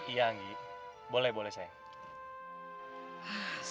iya anggi boleh boleh sayang